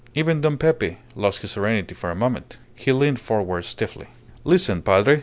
Even Don Pepe lost his serenity for a moment. He leaned forward stiffly. "Listen, Padre.